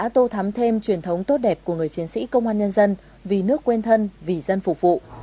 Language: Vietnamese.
là mặt đẹp của người chiến sĩ công an nhân dân vì nước quen thân vì dân phục vụ